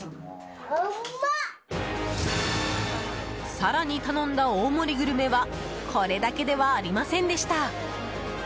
更に頼んだ大盛りグルメはこれだけではありませんでした。